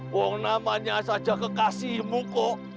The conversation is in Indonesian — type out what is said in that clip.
yang namanya saja kasihmu bu